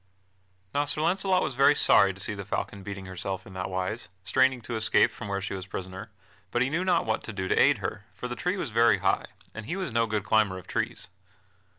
Now Sir Launcelot was very sorry to see the falcon beating herself in that wise, straining to escape from where she was prisoner, but he knew not what to do to aid her, for the tree was very high, and he was no good climber of trees.